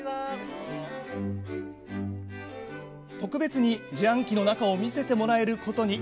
特別に自販機の中を見せてもらえることに。